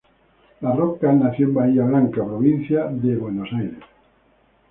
La Rocca nació en Bahía Blanca provincia de Buenos Aires.